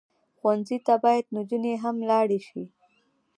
ښوونځی ته باید نجونې هم لاړې شي